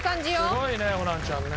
すごいねホランちゃんね。